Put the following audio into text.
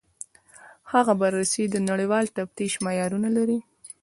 هغه بررسي د نړیوال تفتیش معیارونه لري.